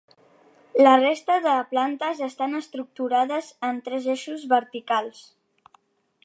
La resta de plantes estan estructurades en tres eixos verticals.